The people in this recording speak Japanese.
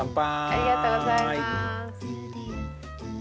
ありがとうございます。